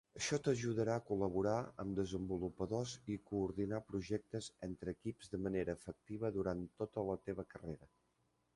Això t'ajudarà a col·laborar amb desenvolupadors i coordinar projectes entre equips de manera efectiva durant tota la teva carrera.